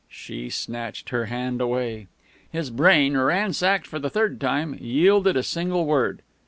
She snatched her hand away. His brain, ransacked for the third time, yielded a single word.